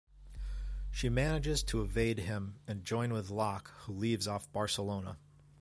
She manages to evade him, and join with Locke who leaves off Barcelona.